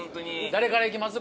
誰からいきます？